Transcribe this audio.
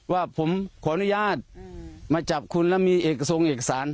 ว่าผมขออนุญาตมาจับคุณแล้วมีเอกทรงเอกสาร